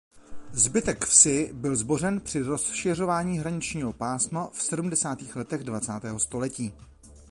Zbytek vsi byl zbořen při rozšiřování hraničního pásma v sedmdesátých letech dvacátého století.